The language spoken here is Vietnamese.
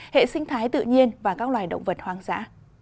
hệ sinh thái tự nhiên và các loài động vật hoang dã